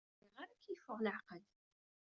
Ur riɣ ara ad k-yeffeɣ leɛqel.